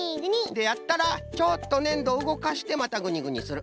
でやったらちょっとねんどをうごかしてまたグニグニする。